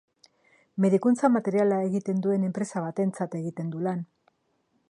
Medikuntza materiala egiten duen enpresa batentzat egiten du lan.